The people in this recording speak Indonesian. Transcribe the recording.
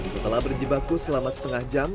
setelah berjibaku selama setengah jam